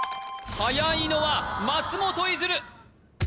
はやいのは松本逸琉